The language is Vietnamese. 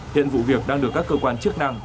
hiện vụ việc đang được các cơ quan chức năng